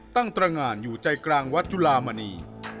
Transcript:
ตรงานอยู่ใจกลางวัดจุลามณี